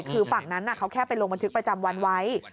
คือฝั่งนั้นเขาแค่ไปลงบันทึกประจำวันไว้